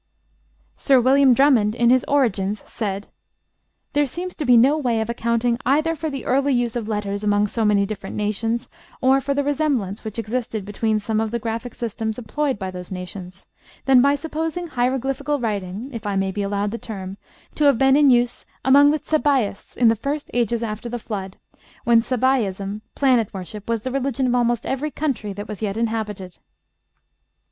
Sir William Drummond, in his "Origines," said: "There seems to be no way of accounting either for the early use of letters among so many different nations, or for the resemblance which existed between some of the graphic systems employed by those nations, than by supposing hieroglyphical writing, if I may be allowed the term, to have been in use among the Tsabaists in the first ages after the Flood, when Tsabaisin (planet worship) was the religion of almost every country that was yet inhabited."